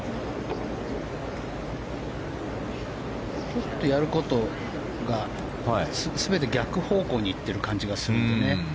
ちょっとやることが全て逆方向に行ってる感じがするのでね。